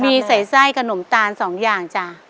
มีใส่ใส่ขนมตาล๒อย่างจ้ะ